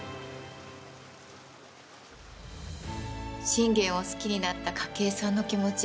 信玄を好きになった筧さんの気持ち